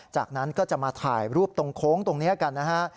จากนั้นก็จะมาถ่ายรูปตรงโค้งตรงนี้กันนะฮะ